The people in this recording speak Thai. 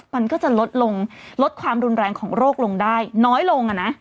มันก็จะลดลงลดความรุนแรงของโรคลงได้น้อยลง